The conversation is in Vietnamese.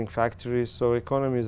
như anh đã nói